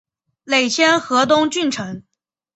累迁河东郡丞。